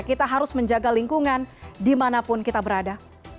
kita harus menjaga lingkungan dimanapun kita berada